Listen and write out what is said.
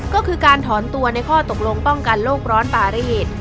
ก็คือการถอนตัวในข้อตกลงป้องกันโลกร้อนปารีส